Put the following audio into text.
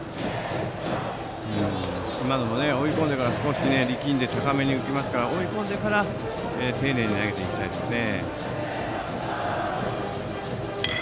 今のも追い込んでから力んで高めに浮きますから追い込んでから丁寧に投げていきたいですね。